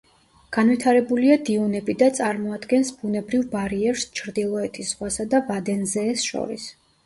განვითარებულია დიუნები და წარმოადგენს ბუნებრივ ბარიერს ჩრდილოეთის ზღვასა და ვადენზეეს შორის.